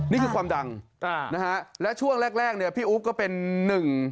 นี่คือความดังอ่านะฮะและช่วงแรกแรกเนี่ยพี่อุ๊บก็เป็นหนึ่ง